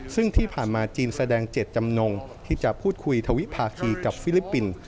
ซึ่งที่ผ่านมาจีนแสดงเจ็ดจำนงที่จะพูดคุยทวิภาคีกับฟิลิปปินส์